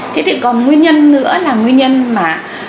thế thì còn nguyên nhân nữa là nguyên nhân mà